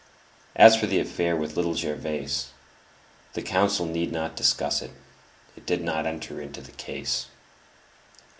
As for the affair with Little Gervais, the counsel need not discuss it; it did not enter into the case.